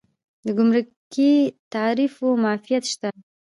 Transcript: د ګمرکي تعرفو معافیت شته؟